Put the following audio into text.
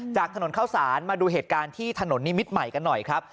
จากถนนเข้าสารมาดูเหตุการณ์ที่ถนนนิมิตรใหม่กันหน่อยครับ